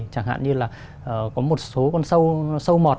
chẳng hạn như là có một số con sâu mọt